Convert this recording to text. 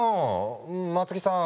松木さん